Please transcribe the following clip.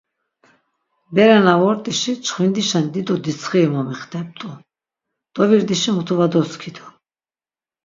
Berena vort̆işi çxvindişen dido ditsxiri momixtep̆t̆u, dovirdişi mutu va doskidu.